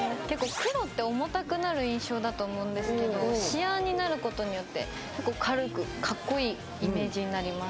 黒って結構重たくなる印象だと思うんですけどシアーになることによって軽くかっこいいイメージになります。